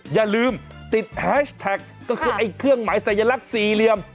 อย่าลืมติดแฮชแท็กก็คือไอ้เครื่องหมายสัญลักษณ์สี่เหลี่ยม